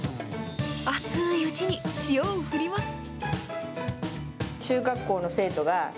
熱いうちに塩を振ります。